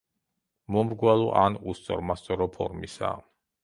მომრგვალო ან უსწორმასწორო ფორმისაა.